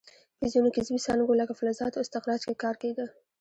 په ځینو کسبي څانګو لکه فلزاتو استخراج کې کار کیده.